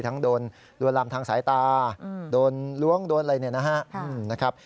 ทั้งโดนลัวลำทางสายตาโดนล้วงโดนอะไรนะครับ